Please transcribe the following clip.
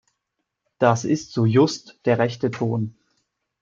Das ist so just der rechte Ton!